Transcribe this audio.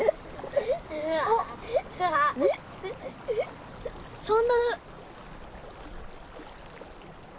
あっサンダル！